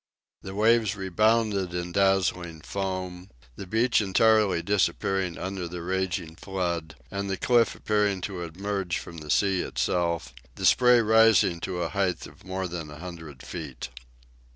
The waves rebounded in dazzling foam, the beach entirely disapppearing under the raging flood, and the cliff appearing to emerge from the sea itself, the spray rising to a height of more than a hundred feet.